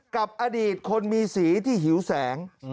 กับอดีตคนมีสีที่หิวแสง